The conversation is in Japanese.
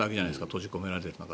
閉じ込められて。